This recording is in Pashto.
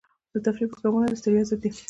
د تفریح پروګرامونه د ستړیا ضد دي.